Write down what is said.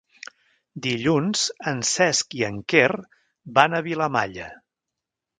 Dilluns en Cesc i en Quer van a Vilamalla.